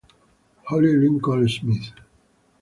Holly Lincoln-Smith